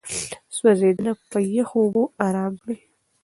سوځېدنه په يخو اوبو آرام کړئ.